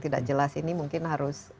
tidak jelas ini mungkin harus